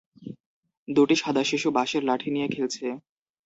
দুটি সাদা শিশু বাঁশের লাঠি নিয়ে খেলছে।